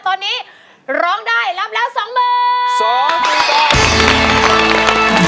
ตอนนี้ร้องได้รับละสองมือ